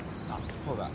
そうだ